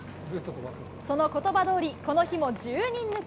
そのことばどおり、この日も１０人抜き。